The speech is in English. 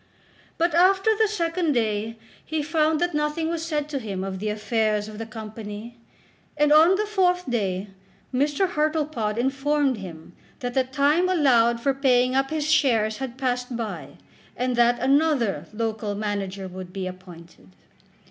But after the second day he found that nothing was said to him of the affairs of the Company, and on the fourth day Mr. Hartlepod informed him that the time allowed for paying up his shares had passed by, and that another local manager would be appointed.